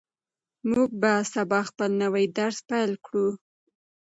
موږ به سبا خپل نوی درس پیل کړو.